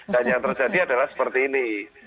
yang terjadi adalah seperti ini